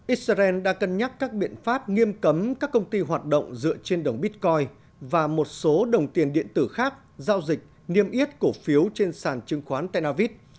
israel đã cân nhắc các biện pháp nghiêm cấm các công ty hoạt động dựa trên đồng bitcoin và một số đồng tiền điện tử khác giao dịch niêm yết cổ phiếu trên sàn chứng khoán tel aviv